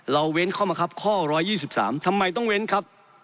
เว้นข้อมะครับข้อ๑๒๓ทำไมต้องเว้นครับ